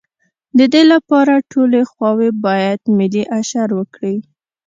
د دې لپاره ټولې خواوې باید ملي اشر وکړي.